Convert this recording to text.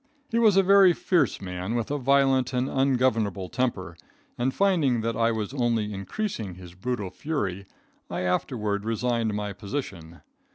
He was a very fierce man, with a violent and ungovernable temper, and, finding that I was only increasing his brutal fury, I afterward resigned my position.